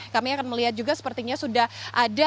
kami akan melihat juga sepertinya sudah ada